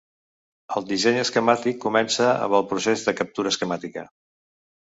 El disseny esquemàtic comença amb el procés de captura esquemàtica.